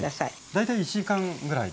大体１時間ぐらいで？